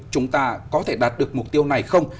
chúng ta có thể đạt được mục tiêu này không